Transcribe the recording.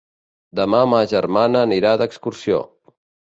Demà ma germana anirà d'excursió.